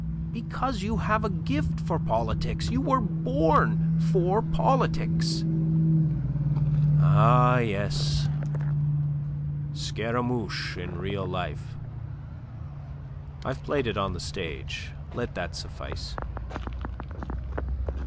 "Because you have a gift for politics. You were born for politics." "Ah, yes Scaramouche in real life. I've played it on the stage. Let that suffice.